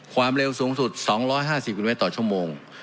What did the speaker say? ความเร็วสูงสุด๒๕๐กิโลเมตรต่อชั่วโมง